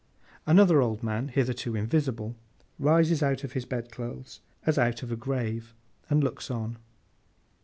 Another old man, hitherto invisible, rises out of his bed clothes, as out of a grave, and looks on.